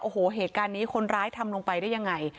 โอ้โหเหตุการณ์นี้คนร้ายทำลงไปได้ยังไง